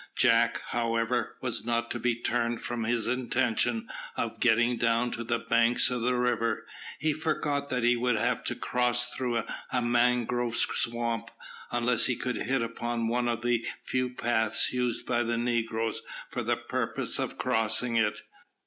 Jack, however, was not to be turned from his intention of getting down to the banks of the river. He forgot that he would have to cross through a mangrove swamp, unless he could hit upon one of the few paths used by the negroes for the purpose of crossing it.